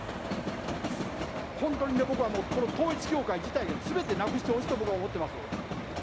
本当に僕は、この統一教会自体がすべてなくしてほしいと僕は思ってますよ。